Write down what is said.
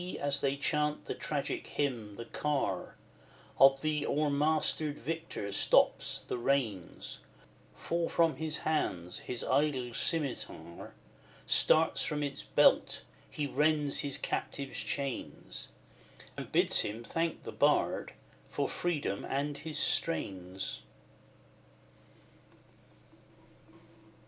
as they chant the tragic hymn, the car Of the o'ermastered victor stops, the reins Fall from his hands his idle scimitar Starts from its belt he rends his captive's chains, And bids him thank the bard for freedom and his strains.